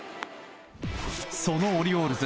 そのオリオールズ